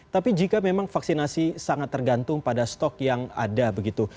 tapi jika memang vaksinasi sangat tergantung pada stok yang ada begitu